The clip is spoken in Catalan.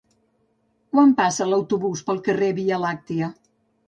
Quan passa l'autobús pel carrer Via Làctia?